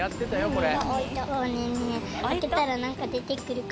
これ。